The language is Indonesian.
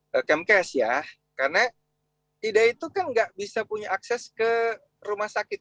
pak kmks ya karena idai itu kan nggak bisa punya akses ke rumah sakit